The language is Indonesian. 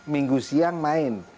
minggu siang main